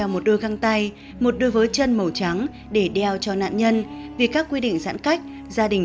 một đôi găng tay một đôi với chân màu trắng để đeo cho nạn nhân vì các quy định giãn cách gia đình